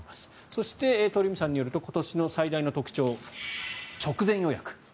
そして、鳥海さんによると今年の最大の特徴、直前予約。